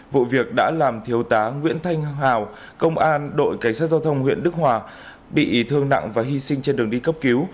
vụ việc đã làm thiếu tá nguyễn thanh hào công an đội cảnh sát giao thông huyện đức hòa bị thương nặng và hy sinh trên đường đi cấp cứu